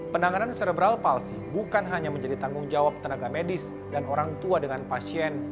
penanganan serebral palsi bukan hanya menjadi tanggung jawab tenaga medis dan orang tua dengan pasien